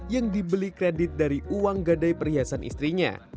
yang dibeli kredit dari uang gadai perhiasan istrinya